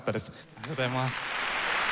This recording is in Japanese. ありがとうございます。